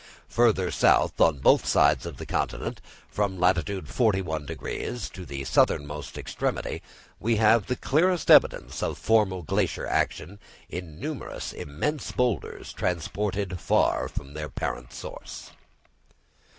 Further south, on both sides of the continent, from latitude 41° to the southernmost extremity, we have the clearest evidence of former glacial action, in numerous immense boulders transported far from their parent source.